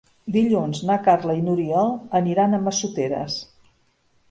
Dilluns na Carla i n'Oriol aniran a Massoteres.